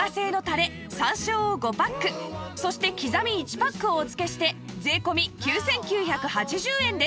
山椒を５パックそしてきざみ１パックをお付けして税込９９８０円です